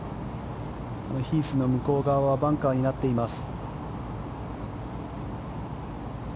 ヒースの向こう側はバンカーになっています。